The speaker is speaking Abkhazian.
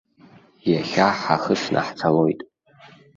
Иахьа ҳахысны ҳцалоит.